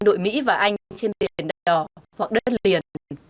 đội mỹ và anh trên biển đỏ hoặc đất liền